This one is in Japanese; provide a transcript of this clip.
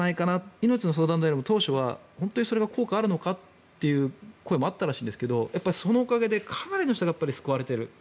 いのちの相談ダイヤルも当初は本当に効果があるのかという声もあったらしいんですがそのおかげでかなりの人が救われている。